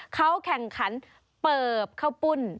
เขาแข่งขันเปิบข้าวปุ้น